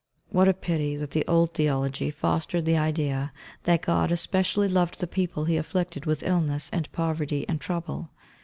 What a pity that the old theology fostered the idea that God especially loved the people he afflicted with illness and poverty and trouble!